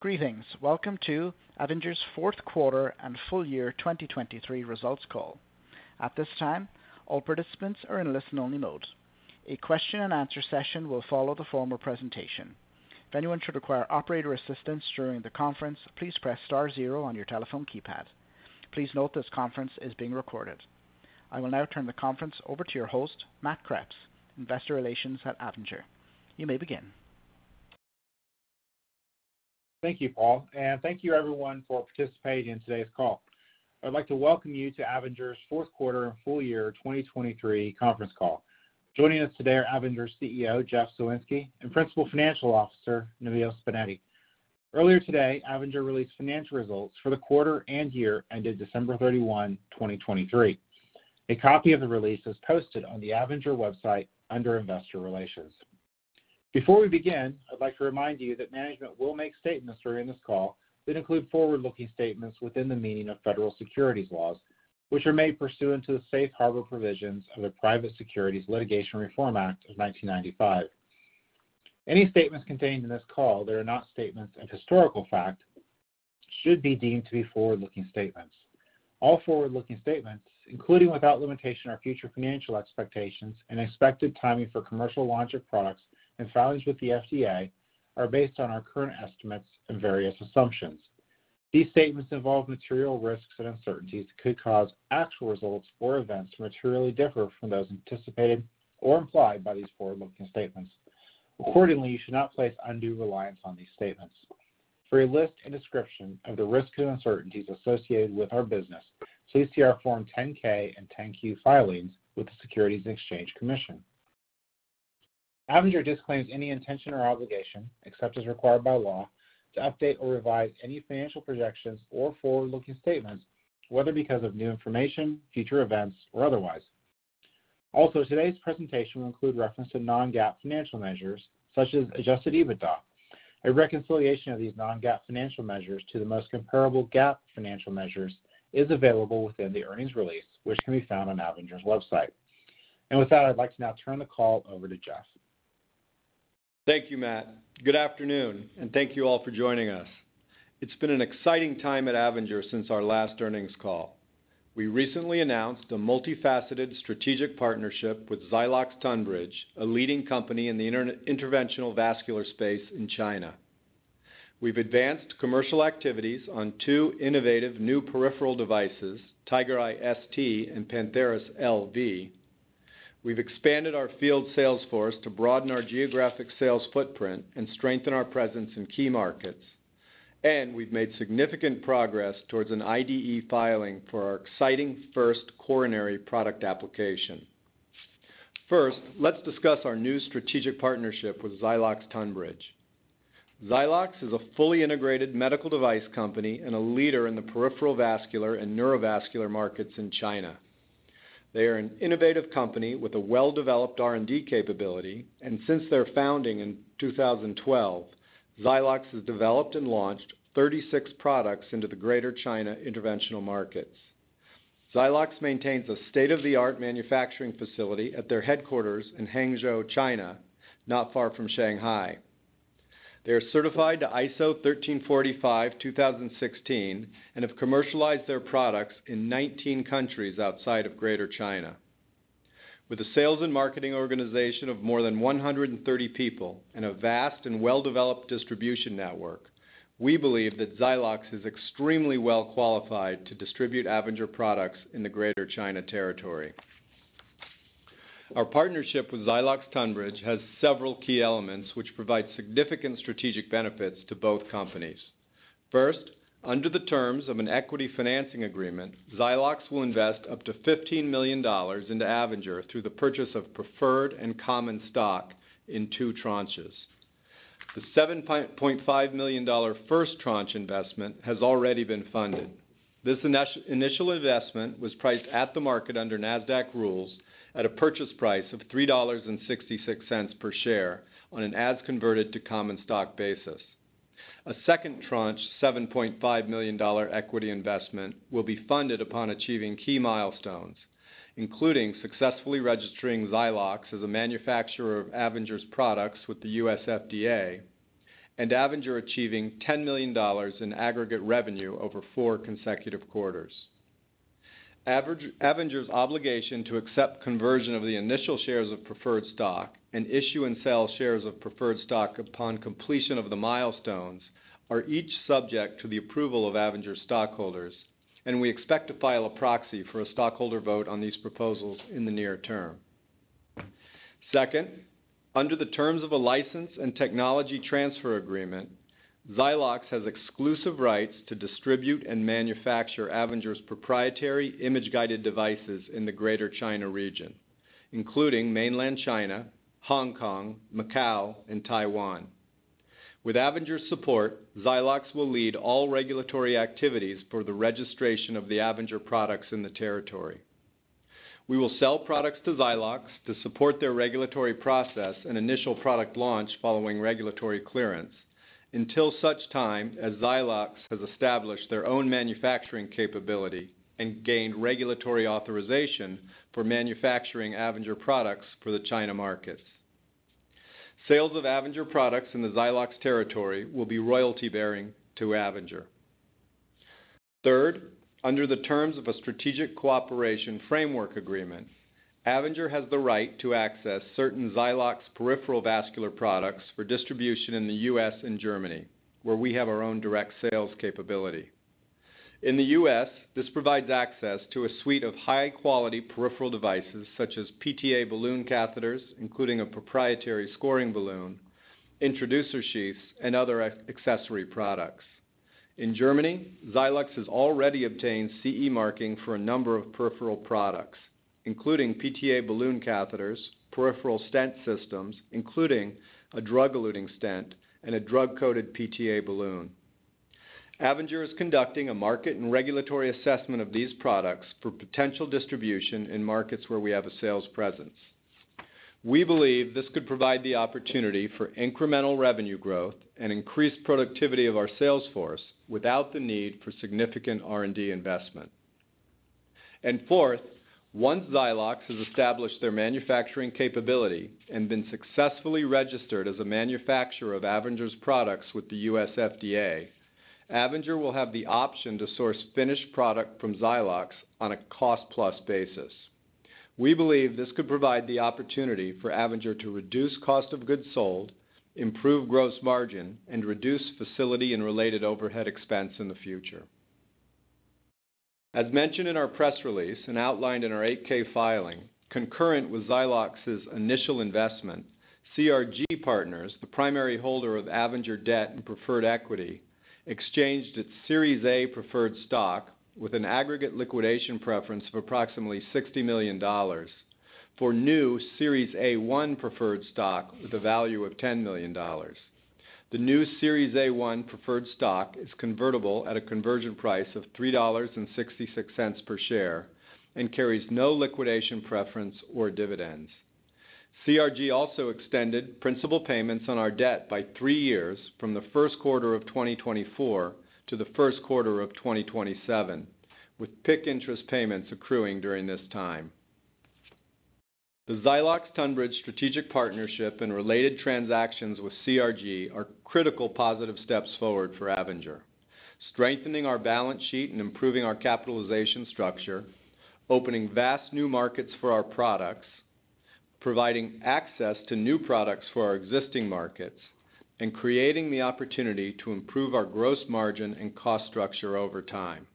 Greetings. Welcome to Avinger's fourth quarter and full year 2023 results call. At this time, all participants are in listen-only mode. A question-and-answer session will follow the formal presentation. If anyone should require operator assistance during the conference, please press star zero on your telephone keypad. Please note this conference is being recorded. I will now turn the conference over to your host, Matt Kreps, Investor Relations at Avinger. You may begin. Thank you, Paul, and thank you, everyone, for participating in today's call. I'd like to welcome you to Avinger's fourth quarter and full year 2023 conference call. Joining us today are Avinger CEO Jeff Soinski and Principal Financial Officer Nabeel Spainati. Earlier today, Avinger released financial results for the quarter and year ended December 31, 2023. A copy of the release is posted on the Avinger website under Investor Relations. Before we begin, I'd like to remind you that management will make statements during this call that include forward-looking statements within the meaning of federal securities laws, which are made pursuant to the Safe Harbor provisions of the Private Securities Litigation Reform Act of 1995. Any statements contained in this call that are not statements of historical fact should be deemed to be forward-looking statements. All forward-looking statements, including without limitation our future financial expectations and expected timing for commercial launch of products and filings with the FDA, are based on our current estimates and various assumptions. These statements involve material risks and uncertainties that could cause actual results or events to materially differ from those anticipated or implied by these forward-looking statements. Accordingly, you should not place undue reliance on these statements. For a list and description of the risks and uncertainties associated with our business, please see our Form 10-K and 10-Q filings with the Securities and Exchange Commission. Avinger disclaims any intention or obligation, except as required by law, to update or revise any financial projections or forward-looking statements, whether because of new information, future events, or otherwise. Also, today's presentation will include reference to non-GAAP financial measures such as Adjusted EBITDA. A reconciliation of these non-GAAP financial measures to the most comparable GAAP financial measures is available within the earnings release, which can be found on Avinger's website. With that, I'd like to now turn the call over to Jeff. Thank you, Matt. Good afternoon, and thank you all for joining us. It's been an exciting time at Avinger since our last earnings call. We recently announced a multifaceted strategic partnership with Zylox-Tonbridge, a leading company in the interventional vascular space in China. We've advanced commercial activities on two innovative new peripheral devices, TigerEye ST and Pantheris LV. We've expanded our field sales force to broaden our geographic sales footprint and strengthen our presence in key markets. And we've made significant progress towards an IDE filing for our exciting first coronary product application. First, let's discuss our new strategic partnership with Zylox-Tonbridge. Zylox-Tonbridge is a fully integrated medical device company and a leader in the peripheral vascular and neurovascular markets in China. They are an innovative company with a well-developed R&D capability, and since their founding in 2012, Zylox has developed and launched 36 products into the Greater China interventional markets. Zylox maintains a state-of-the-art manufacturing facility at their headquarters in Hangzhou, China, not far from Shanghai. They are certified to ISO 13485:2016 and have commercialized their products in 19 countries outside of Greater China. With a sales and marketing organization of more than 130 people and a vast and well-developed distribution network, we believe that Zylox is extremely well-qualified to distribute Avinger products in the Greater China territory. Our partnership with Zylox-Tonbridge has several key elements which provide significant strategic benefits to both companies. First, under the terms of an equity financing agreement, Zylox will invest up to $15 million into Avinger through the purchase of preferred and common stock in two tranches. The $7.5 million first tranche investment has already been funded. This initial investment was priced at the market under Nasdaq rules at a purchase price of $3.66 per share on an as-converted-to-common-stock basis. A second tranche, $7.5 million equity investment, will be funded upon achieving key milestones, including successfully registering Zylox as a manufacturer of Avinger's products with the U.S. FDA and Avinger achieving $10 million in aggregate revenue over four consecutive quarters. Avinger's obligation to accept conversion of the initial shares of preferred stock and issue and sell shares of preferred stock upon completion of the milestones are each subject to the approval of Avinger's stockholders, and we expect to file a proxy for a stockholder vote on these proposals in the near term. Second, under the terms of a license and technology transfer agreement, Zylox has exclusive rights to distribute and manufacture Avinger's proprietary image-guided devices in the Greater China region, including mainland China, Hong Kong, Macau, and Taiwan. With Avinger's support, Zylox will lead all regulatory activities for the registration of the Avinger products in the territory. We will sell products to Zylox to support their regulatory process and initial product launch following regulatory clearance until such time as Zylox has established their own manufacturing capability and gained regulatory authorization for manufacturing Avinger products for the China markets. Sales of Avinger products in the Zylox territory will be royalty-bearing to Avinger. Third, under the terms of a strategic cooperation framework agreement, Avinger has the right to access certain Zylox peripheral vascular products for distribution in the U.S. and Germany, where we have our own direct sales capability. In the U.S., this provides access to a suite of high-quality peripheral devices such as PTA balloon catheters, including a proprietary scoring balloon, introducer sheaths, and other accessory products. In Germany, Zylox has already obtained CE marking for a number of peripheral products, including PTA balloon catheters, peripheral stent systems, including a drug-eluting stent, and a drug-coated PTA balloon. Avinger is conducting a market and regulatory assessment of these products for potential distribution in markets where we have a sales presence. We believe this could provide the opportunity for incremental revenue growth and increased productivity of our sales force without the need for significant R&D investment. And fourth, once Zylox has established their manufacturing capability and been successfully registered as a manufacturer of Avinger's products with the U.S. FDA, Avinger will have the option to source finished product from Zylox on a cost-plus basis. We believe this could provide the opportunity for Avinger to reduce cost of goods sold, improve gross margin, and reduce facility and related overhead expense in the future. As mentioned in our press release and outlined in our 8-K filing, concurrent with Zylox's initial investment, CRG Partners, the primary holder of Avinger debt and preferred equity, exchanged its Series A preferred stock with an aggregate liquidation preference of approximately $60 million for new Series A1 preferred stock with a value of $10 million. The new Series A1 preferred stock is convertible at a conversion price of $3.66 per share and carries no liquidation preference or dividends. CRG also extended principal payments on our debt by three years from the first quarter of 2024 to the first quarter of 2027, with PIK interest payments accruing during this time. The Zylox-Tonbridge strategic partnership and related transactions with CRG are critical positive steps forward for Avinger: strengthening our balance sheet and improving our capitalization structure, opening vast new markets for our products, providing access to new products for our existing markets, and creating the opportunity to improve our gross margin and cost structure over time.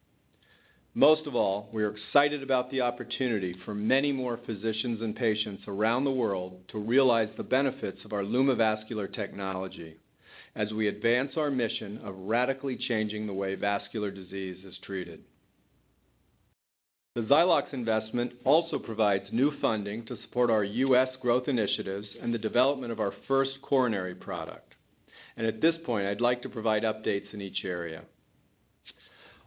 Most of all, we are excited about the opportunity for many more physicians and patients around the world to realize the benefits of our Lumovascular technology as we advance our mission of radically changing the way vascular disease is treated. The Zylox-Tonbridge investment also provides new funding to support our U.S. growth initiatives and the development of our first coronary product. At this point, I'd like to provide updates in each area.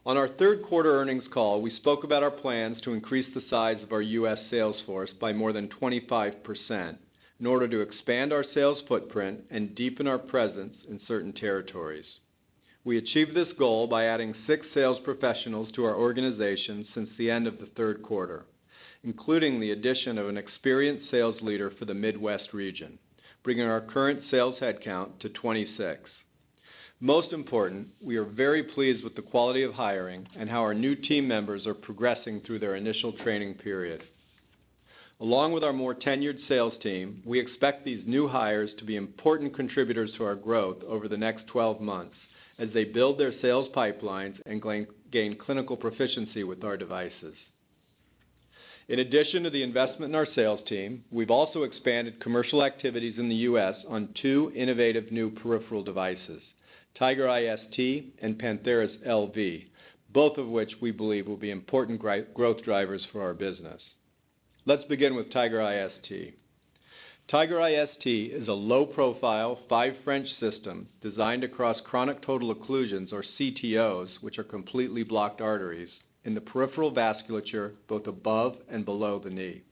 On our third quarter earnings call, we spoke about our plans to increase the size of our U.S. sales force by more than 25% in order to expand our sales footprint and deepen our presence in certain territories. We achieved this goal by adding six sales professionals to our organization since the end of the third quarter, including the addition of an experienced sales leader for the Midwest region, bringing our current sales headcount to 26. Most important, we are very pleased with the quality of hiring and how our new team members are progressing through their initial training period. Along with our more tenured sales team, we expect these new hires to be important contributors to our growth over the next 12 months as they build their sales pipelines and gain clinical proficiency with our devices. In addition to the investment in our sales team, we've also expanded commercial activities in the U.S. on two innovative new peripheral devices, TigerEye ST and Pantheris LV, both of which we believe will be important growth drivers for our business. Let's begin with TigerEye ST. TigerEye ST is a low-profile, five-French system designed across chronic total occlusions, or CTOs, which are completely blocked arteries in the peripheral vasculature both above and below the knee.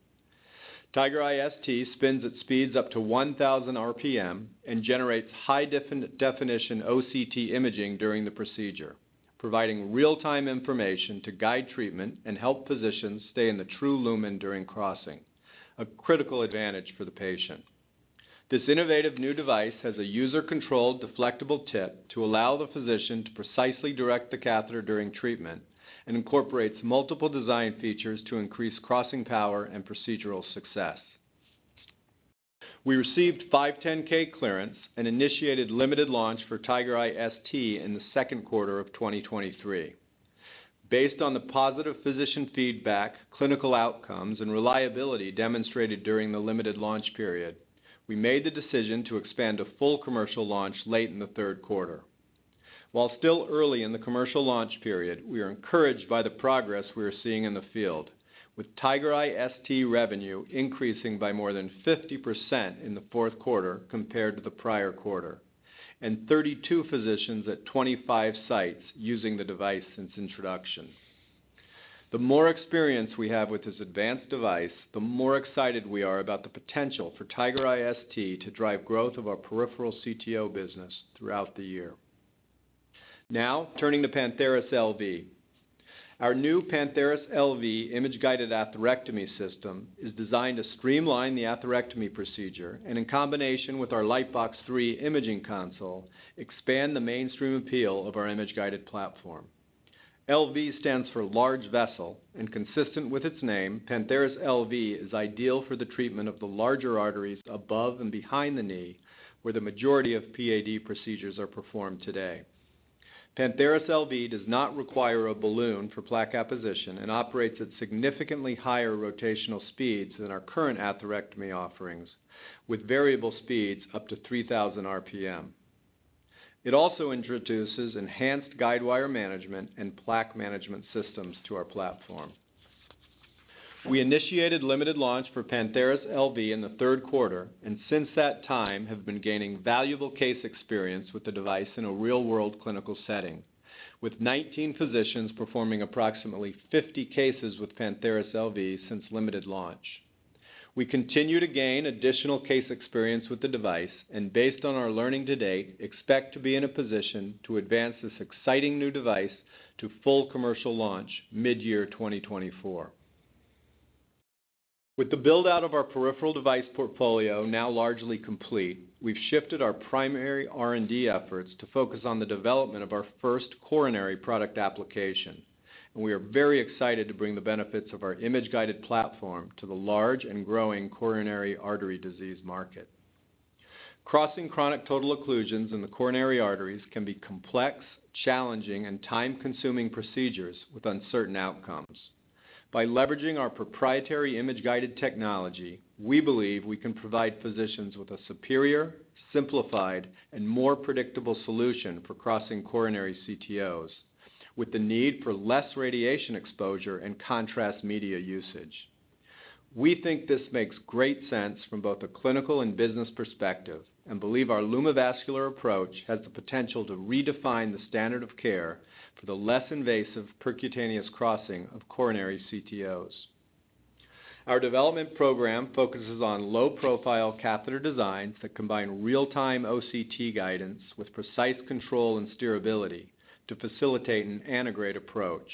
TigerEye ST spins at speeds up to 1,000 RPM and generates high-definition OCT imaging during the procedure, providing real-time information to guide treatment and help physicians stay in the true lumen during crossing, a critical advantage for the patient. This innovative new device has a user-controlled deflectable tip to allow the physician to precisely direct the catheter during treatment and incorporates multiple design features to increase crossing power and procedural success. We received 510(k) clearance and initiated limited launch for TigerEye ST in the second quarter of 2023. Based on the positive physician feedback, clinical outcomes, and reliability demonstrated during the limited launch period, we made the decision to expand to full commercial launch late in the third quarter. While still early in the commercial launch period, we are encouraged by the progress we are seeing in the field, with TigerEye ST revenue increasing by more than 50% in the fourth quarter compared to the prior quarter and 32 physicians at 25 sites using the device since introduction. The more experience we have with this advanced device, the more excited we are about the potential for TigerEye ST to drive growth of our peripheral CTO business throughout the year. Now, turning to Pantheris LV. Our new Pantheris LV image-guided atherectomy system is designed to streamline the atherectomy procedure and, in combination with our LightboX 3 imaging console, expand the mainstream appeal of our image-guided platform. LV stands for large vessel, and consistent with its name, Pantheris LV is ideal for the treatment of the larger arteries above and behind the knee where the majority of PAD procedures are performed today. Pantheris LV does not require a balloon for plaque apposition and operates at significantly higher rotational speeds than our current atherectomy offerings, with variable speeds up to 3,000 RPM. It also introduces enhanced guidewire management and plaque management systems to our platform. We initiated limited launch for Pantheris LV in the third quarter and since that time have been gaining valuable case experience with the device in a real-world clinical setting, with 19 physicians performing approximately 50 cases with Pantheris LV since limited launch. We continue to gain additional case experience with the device and, based on our learning to date, expect to be in a position to advance this exciting new device to full commercial launch mid-year 2024. With the buildout of our peripheral device portfolio now largely complete, we've shifted our primary R&D efforts to focus on the development of our first coronary product application, and we are very excited to bring the benefits of our image-guided platform to the large and growing coronary artery disease market. Crossing chronic total occlusions in the coronary arteries can be complex, challenging, and time-consuming procedures with uncertain outcomes. By leveraging our proprietary image-guided technology, we believe we can provide physicians with a superior, simplified, and more predictable solution for crossing coronary CTOs, with the need for less radiation exposure and contrast media usage. We think this makes great sense from both a clinical and business perspective and believe our Lumovascular approach has the potential to redefine the standard of care for the less invasive percutaneous crossing of coronary CTOs. Our development program focuses on low-profile catheter designs that combine real-time OCT guidance with precise control and steerability to facilitate an antegrade approach,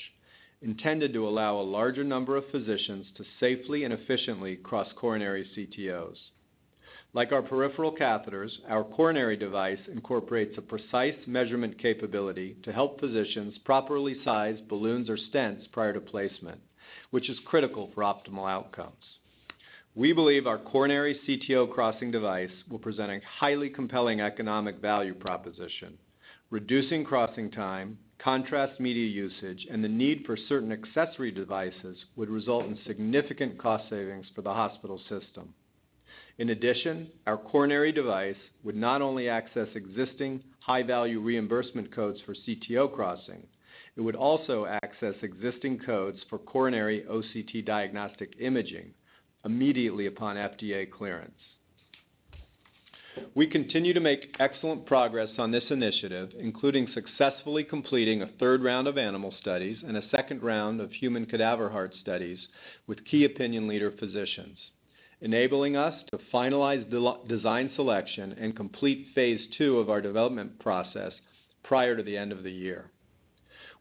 intended to allow a larger number of physicians to safely and efficiently cross coronary CTOs. Like our peripheral catheters, our coronary device incorporates a precise measurement capability to help physicians properly size balloons or stents prior to placement, which is critical for optimal outcomes. We believe our coronary CTO crossing device will present a highly compelling economic value proposition. Reducing crossing time, contrast media usage, and the need for certain accessory devices would result in significant cost savings for the hospital system. In addition, our coronary device would not only access existing high-value reimbursement codes for CTO crossing, it would also access existing codes for coronary OCT diagnostic imaging immediately upon FDA clearance. We continue to make excellent progress on this initiative, including successfully completing a third round of animal studies and a second round of human cadaver heart studies with key opinion leader physicians, enabling us to finalize design selection and complete phase two of our development process prior to the end of the year.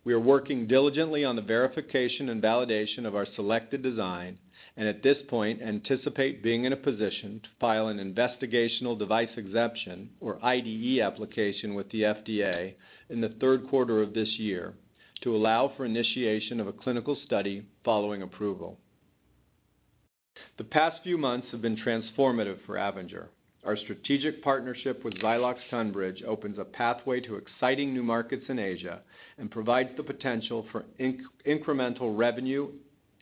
We are working diligently on the verification and validation of our selected design and, at this point, anticipate being in a position to file an investigational device exemption, or IDE, application with the FDA in the third quarter of this year to allow for initiation of a clinical study following approval. The past few months have been transformative for Avinger. Our strategic partnership with Zylox-Tonbridge opens a pathway to exciting new markets in Asia and provides the potential for incremental revenue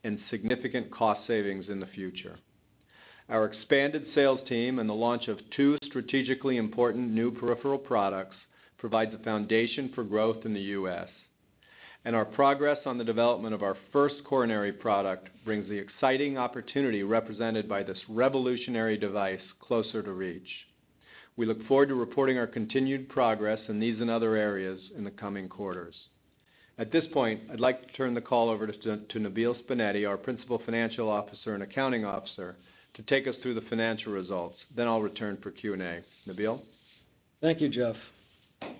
and significant cost savings in the future. Our expanded sales team and the launch of two strategically important new peripheral products provide the foundation for growth in the U.S., and our progress on the development of our first coronary product brings the exciting opportunity represented by this revolutionary device closer to reach. We look forward to reporting our continued progress in these and other areas in the coming quarters. At this point, I'd like to turn the call over to Nabeel Subainati, our principal financial officer and accounting officer, to take us through the financial results, then I'll return for Q&A. Nabeel? Thank you, Jeff.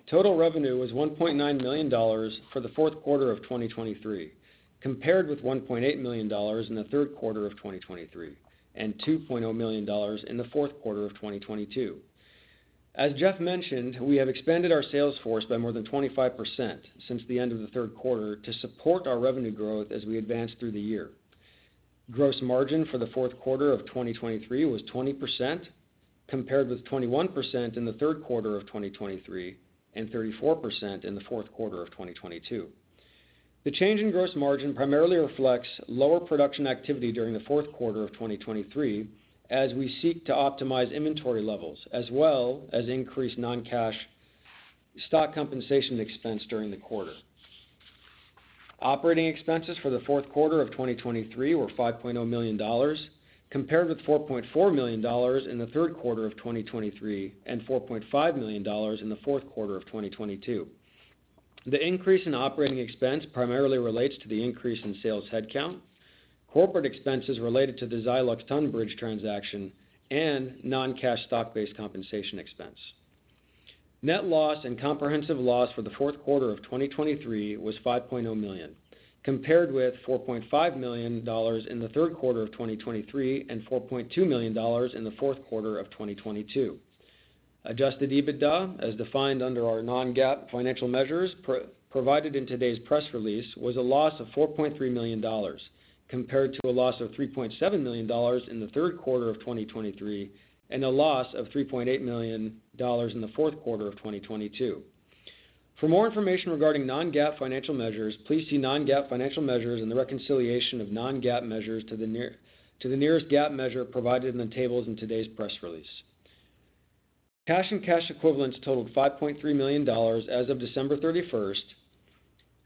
Total revenue was $1.9 million for the fourth quarter of 2023, compared with $1.8 million in the third quarter of 2023 and $2.0 million in the fourth quarter of 2022. As Jeff mentioned, we have expanded our sales force by more than 25% since the end of the third quarter to support our revenue growth as we advance through the year. Gross margin for the fourth quarter of 2023 was 20%, compared with 21% in the third quarter of 2023 and 34% in the fourth quarter of 2022. The change in gross margin primarily reflects lower production activity during the fourth quarter of 2023 as we seek to optimize inventory levels as well as increase non-cash stock compensation expense during the quarter. Operating expenses for the fourth quarter of 2023 were $5.0 million, compared with $4.4 million in the third quarter of 2023 and $4.5 million in the fourth quarter of 2022. The increase in operating expense primarily relates to the increase in sales headcount, corporate expenses related to the Zylox-Tonbridge transaction, and non-cash stock-based compensation expense. Net loss and comprehensive loss for the fourth quarter of 2023 was $5.0 million, compared with $4.5 million in the third quarter of 2023 and $4.2 million in the fourth quarter of 2022. Adjusted EBITDA, as defined under our non-GAAP financial measures provided in today's press release, was a loss of $4.3 million, compared to a loss of $3.7 million in the third quarter of 2023 and a loss of $3.8 million in the fourth quarter of 2022. For more information regarding non-GAAP financial measures, please see non-GAAP financial measures and the reconciliation of non-GAAP measures to the nearest GAAP measure provided in the tables in today's press release. Cash and cash equivalents totaled $5.3 million as of December 31st.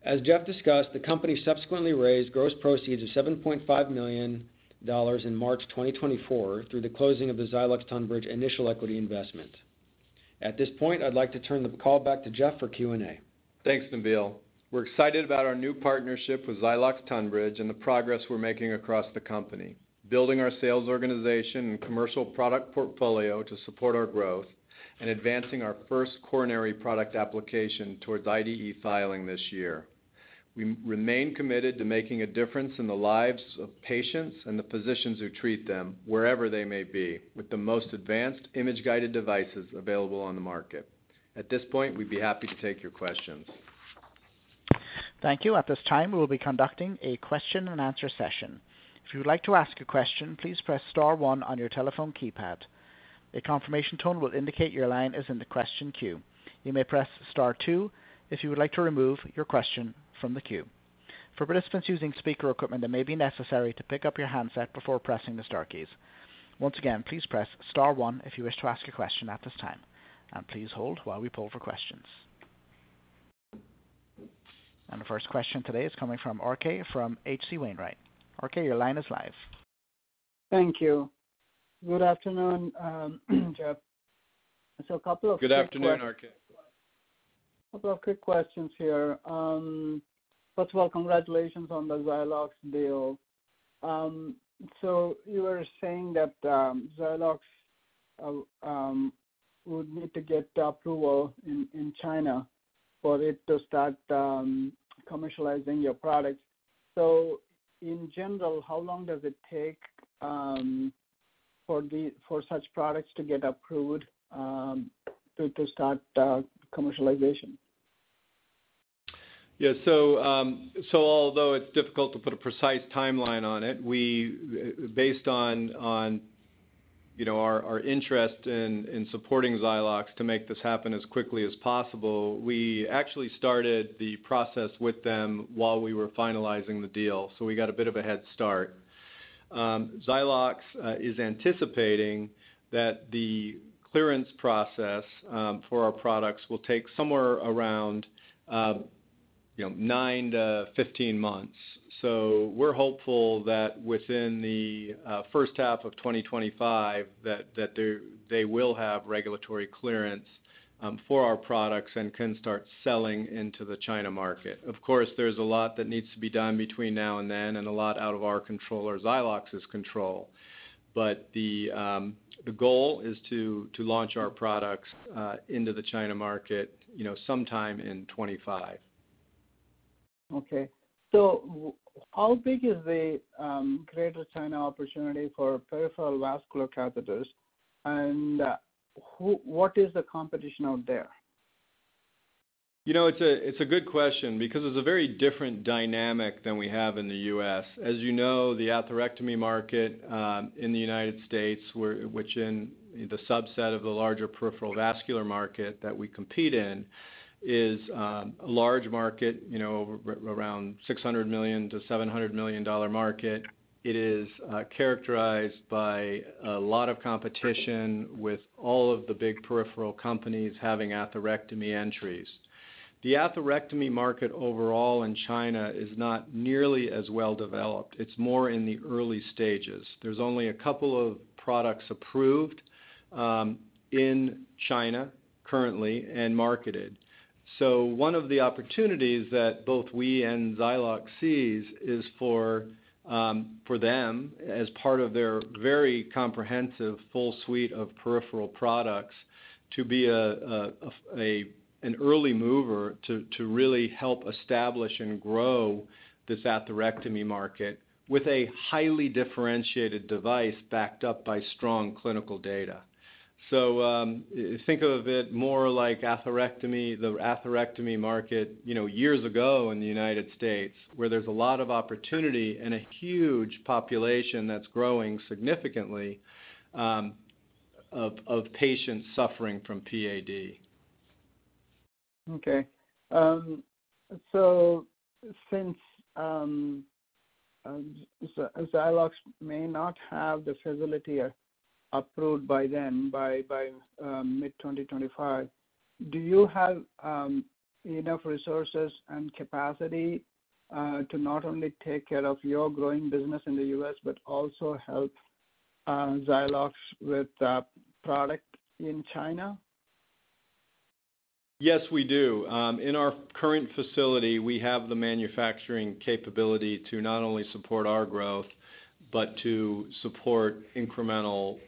As Jeff discussed, the company subsequently raised gross proceeds of $7.5 million in March 2024 through the closing of the Zylox-Tonbridge initial equity investment. At this point, I'd like to turn the call back to Jeff for Q&A. Thanks, Nabeel. We're excited about our new partnership with Zylox-Tonbridge and the progress we're making across the company, building our sales organization and commercial product portfolio to support our growth and advancing our first coronary product application towards IDE filing this year. We remain committed to making a difference in the lives of patients and the physicians who treat them, wherever they may be, with the most advanced image-guided devices available on the market. At this point, we'd be happy to take your questions. Thank you. At this time, we will be conducting a question-and-answer session. If you would like to ask a question, please press star one on your telephone keypad. A confirmation tone will indicate your line is in the question queue. You may press star two if you would like to remove your question from the queue. For participants using speaker equipment, it may be necessary to pick up your handset before pressing the star keys. Once again, please press star one if you wish to ask a question at this time, and please hold while we pull for questions. The first question today is coming from RK from H.C. Wainwright. RK, your line is live. Thank you. Good afternoon, Jeff. A couple of quick questions. Good afternoon, RK. A couple of quick questions here. First of all, congratulations on the Zylox deal. So you were saying that Zylox would need to get approval in China for it to start commercializing your products. So in general, how long does it take for such products to get approved to start commercialization? Yeah. So although it's difficult to put a precise timeline on it, based on our interest in supporting Zylox to make this happen as quickly as possible, we actually started the process with them while we were finalizing the deal, so we got a bit of a head start. Zylox is anticipating that the clearance process for our products will take somewhere around 9-15 months. So we're hopeful that within the first half of 2025 that they will have regulatory clearance for our products and can start selling into the China market. Of course, there's a lot that needs to be done between now and then and a lot out of our control, or Zylox's control, but the goal is to launch our products into the China market sometime in 2025. Okay. So how big is the Greater China opportunity for peripheral vascular catheters, and what is the competition out there? It's a good question because it's a very different dynamic than we have in the U.S. As you know, the atherectomy market in the United States, which is the subset of the larger peripheral vascular market that we compete in, is a large market, around $600 million-$700 million market. It is characterized by a lot of competition with all of the big peripheral companies having atherectomy entries. The atherectomy market overall in China is not nearly as well developed. It's more in the early stages. There's only a couple of products approved in China currently and marketed. So one of the opportunities that both we and Zylox see is for them, as part of their very comprehensive full suite of peripheral products, to be an early mover to really help establish and grow this atherectomy market with a highly differentiated device backed up by strong clinical data. Think of it more like the atherectomy market years ago in the United States, where there's a lot of opportunity and a huge population that's growing significantly of patients suffering from PAD. Okay. So since Zylox may not have the facility approved by then, by mid-2025, do you have enough resources and capacity to not only take care of your growing business in the U.S. but also help Zylox with product in China? Yes, we do. In our current facility, we have the manufacturing capability to not only support our growth but to support incremental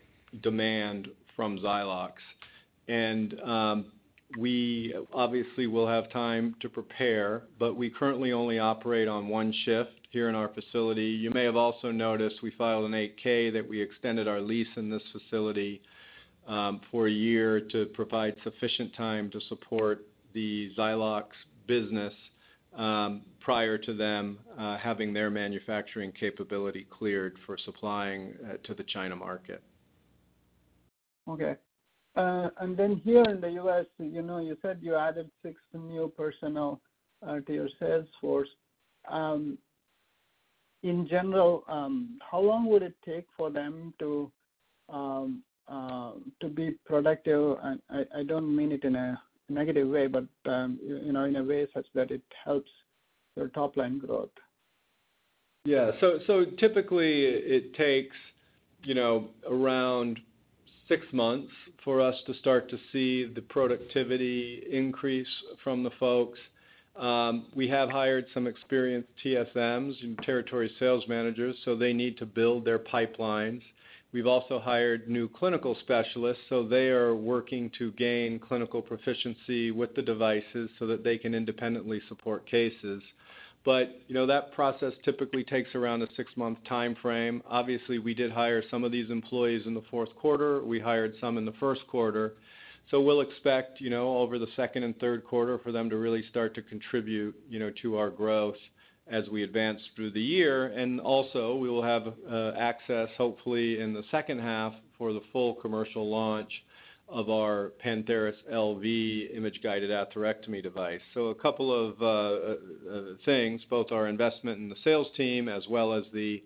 demand from Zylox. And we obviously will have time to prepare, but we currently only operate on one shift here in our facility. You may have also noticed we filed an 8-K that we extended our lease in this facility for a year to provide sufficient time to support the Zylox business prior to them having their manufacturing capability cleared for supplying to the China market. Okay. And then here in the U.S., you said you added six new personnel to your sales force. In general, how long would it take for them to be productive? And I don't mean it in a negative way, but in a way such that it helps your top-line growth. Yeah. So typically, it takes around six months for us to start to see the productivity increase from the folks. We have hired some experienced TSMs, territory sales managers, so they need to build their pipelines. We've also hired new clinical specialists, so they are working to gain clinical proficiency with the devices so that they can independently support cases. But that process typically takes around a six-month timeframe. Obviously, we did hire some of these employees in the fourth quarter. We hired some in the first quarter. So we'll expect over the second and third quarter for them to really start to contribute to our growth as we advance through the year. And also, we will have access, hopefully, in the second half for the full commercial launch of our Pantheris LV image-guided atherectomy device. A couple of things, both our investment in the sales team as well as the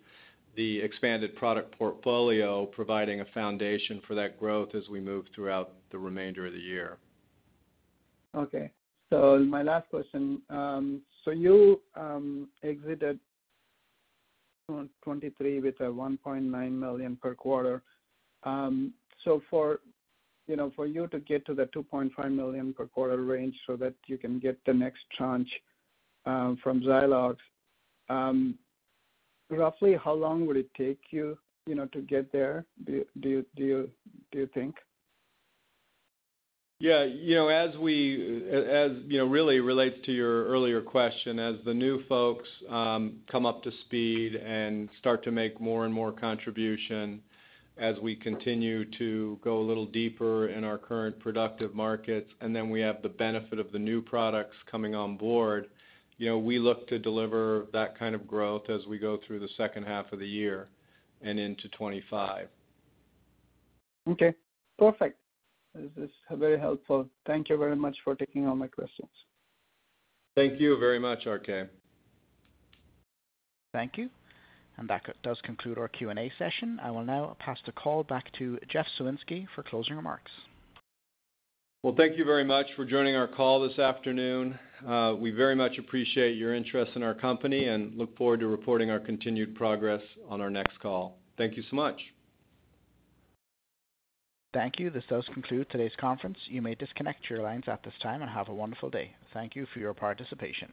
expanded product portfolio, providing a foundation for that growth as we move throughout the remainder of the year. Okay. My last question. You exited 2023 with $1.9 million per quarter. For you to get to the $2.5 million per quarter range so that you can get the next tranche from Zylox, roughly how long would it take you to get there, do you think? Yeah. As we really relates to your earlier question, as the new folks come up to speed and start to make more and more contribution as we continue to go a little deeper in our current productive markets, and then we have the benefit of the new products coming on board, we look to deliver that kind of growth as we go through the second half of the year and into 2025. Okay. Perfect. This is very helpful. Thank you very much for taking all my questions. Thank you very much, RK. Thank you. That does conclude our Q&A session. I will now pass the call back to Jeff Soinski for closing remarks. Well, thank you very much for joining our call this afternoon. We very much appreciate your interest in our company and look forward to reporting our continued progress on our next call. Thank you so much. Thank you. This does conclude today's conference. You may disconnect your lines at this time and have a wonderful day. Thank you for your participation.